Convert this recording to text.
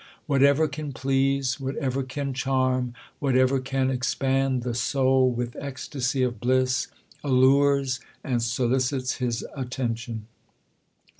Whatever can please, whatever can charm, Avhatever can expand the soul with ecstacy of bhss, allures and solicits his attention.